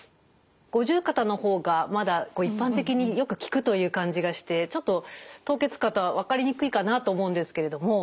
五十肩の方がまだこう一般的によく聞くという感じがしてちょっと凍結肩は分かりにくいかなと思うんですけれども。